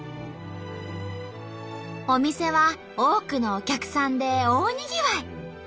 お店は多くのお客さんで大にぎわい！